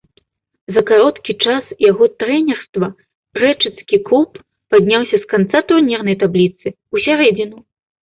За кароткі час яго трэнерства рэчыцкі клуб падняўся з канца турнірнай табліцы ў сярэдзіну.